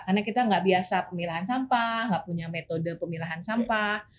karena kita nggak biasa pemilahan sampah nggak punya metode pemilahan sampah